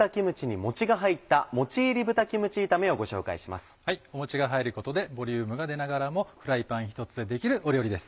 もちが入ることでボリュームが出ながらもフライパン１つでできる料理です。